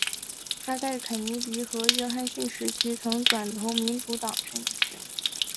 她在肯尼迪和约翰逊时期曾转投民主党阵型。